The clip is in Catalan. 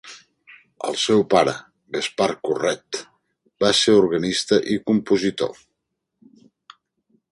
El seu pare, Gaspard Corrette, va ser organista i compositor.